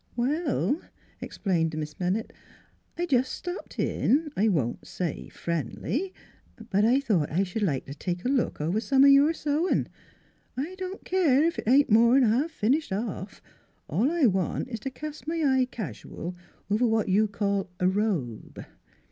"Well," explained Miss Bennett, "I jest stopped in I won't say friendly but I thought I sh'd like t' look over some o' your sewin'. I don't keer ef it ain't more 'n ha'f finished off; all I want is t' cast my eye casual over what you call a robe."